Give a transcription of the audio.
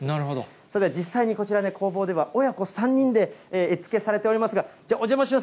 それでは実際に、こちらで、工房では親子３人で絵付けされておりますが、お邪魔します。